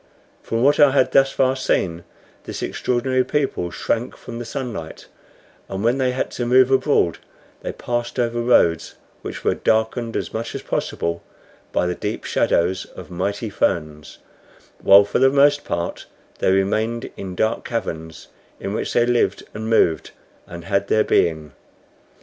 From what I had thus far seen, this extraordinary people shrank from the sunlight; and when they had to move abroad they passed over roads which were darkened as much as possible by the deep shadows of mighty ferns, while for the most part they remained in dark caverns, in which they lived and moved and had their being.